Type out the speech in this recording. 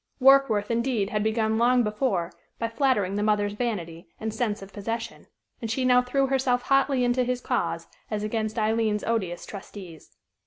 Warkworth, indeed, had begun long before by flattering the mother's vanity and sense of possession, and she now threw herself hotly into his cause as against Aileen's odious trustees.